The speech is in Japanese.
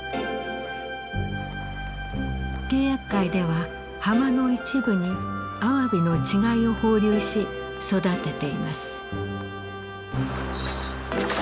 契約会では浜の一部にアワビの稚貝を放流し育てています。